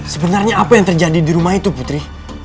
sebenarnya apa yang terjadi di rumah itu putri